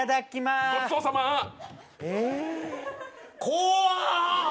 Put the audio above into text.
怖っ！